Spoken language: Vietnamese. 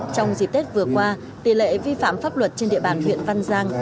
trong dịp tết vừa qua tỷ lệ vi phạm pháp luật trên địa bàn huyện văn giang